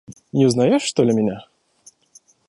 Не узнаешь что ли меня?